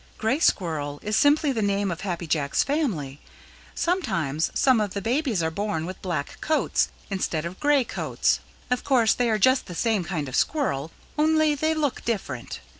"Gray Squirrel is simply the name of Happy Jack's family. Sometimes some of the babies are born with black coats instead of gray coats. Of course they are just the same kind of Squirrel, only they look different.